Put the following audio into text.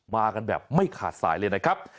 มากันแบบไม่ขาดสายเลยนะครับ